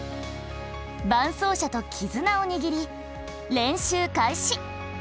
伴走者とキズナを握り練習開始。